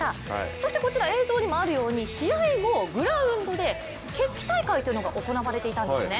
そしてこちら、映像にもあるように試合後、グラウンドで決起大会というのが行われていたんですね。